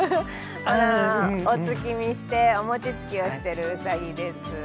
お月見して、お餅つきをしているうさぎです。